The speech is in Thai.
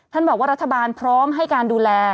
บอกว่ารัฐบาลพร้อมให้การดูแล